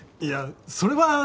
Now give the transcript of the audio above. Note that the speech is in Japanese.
いやそれは。